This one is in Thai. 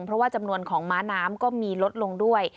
เพราะว่าจำนวนของม้าน้ำก็มีลดลงด้วย